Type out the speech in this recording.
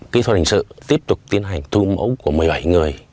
kỹ thuật hình sự tiếp tục tiến hành thu mẫu của một mươi bảy người